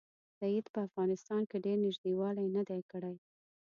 سید په افغانستان کې ډېر نیژدې والی نه دی کړی.